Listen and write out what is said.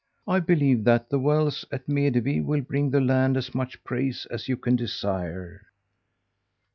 I believe that the wells at Medevi will bring the land as much praise as you can desire.'